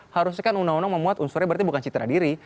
harusnya kan undang undang memuat unsurnya berarti bukan citra diri